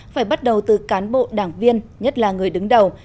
phải bắt đầu từ cán bộ đảng viên nhất là người đứng đầu